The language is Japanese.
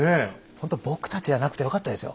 ほんと僕たちじゃなくてよかったですよ。